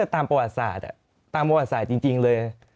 ตามประวัติศาสตร์ตามประวัติศาสตร์จริงเลย